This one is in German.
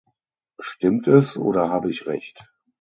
Stimmt es, oder habe ich Recht?